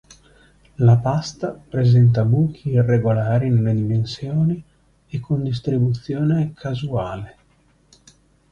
La pasta presenta buchi irregolari nelle dimensioni e con distribuzione casuale.